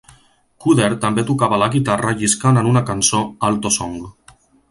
Cooder també tocava la guitarra lliscant en una cançó, "Alto Songo".